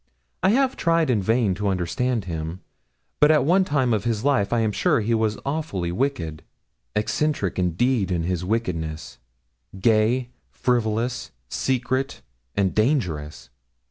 I have tried in vain to understand him. But at one time of his life I am sure he was awfully wicked eccentric indeed in his wickedness gay, frivolous, secret, and dangerous.